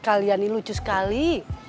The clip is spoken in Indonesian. kalian ini lucu sekali